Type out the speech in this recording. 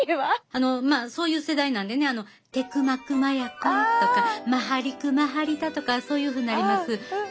あのまあそういう世代なんでね「テクマクマヤコン」とか「マハリクマハリタ」とかそういうふうになります。